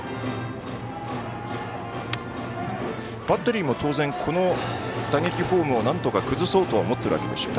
バッテリーも当然、この打撃フォームをなんとか崩そうとは思っているでしょうね。